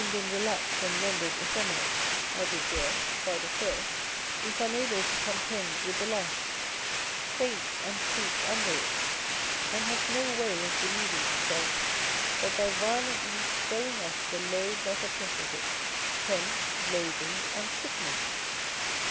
e been relaxed and rendered effeminate as it were by tli first, is unable to contend with the last, faints and sinks under it, and has no way of relieving itself but by violently throwing off the load that oppresses it. Hence loathing and sickness.